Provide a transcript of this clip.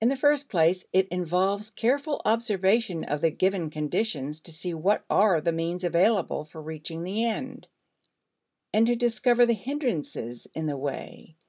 In the first place, it involves careful observation of the given conditions to see what are the means available for reaching the end, and to discover the hindrances in the way.